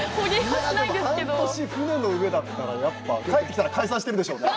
半年船の上だったらやっぱ帰ってきたら解散してるでしょうね。